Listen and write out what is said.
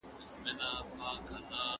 د انټرنیټ له لارې هم بازار موندنه کېږي.